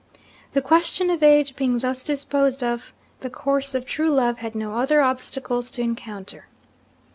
The question of age being thus disposed of, the course of true love had no other obstacles to encounter.